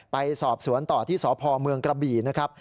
ไปสอบสวนต่อที่สพเมืองกระบี่นะครับ